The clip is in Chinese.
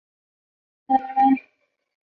圣洛朗迪克罗人口变化图示